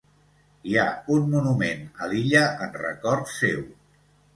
Hi ha un monument a l'illa en record seu.